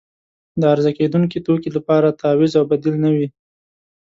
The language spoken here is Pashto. د عرضه کیدونکې توکي لپاره تعویض او بدیل نه وي.